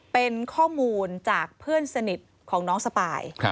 เป็นข้อมูลจากเพื่อนสนิทของน้องสปาย